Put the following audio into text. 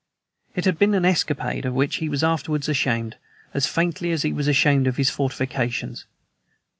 It had been an escapade, of which he was afterwards ashamed, as, faintly, he was ashamed of his "fortifications."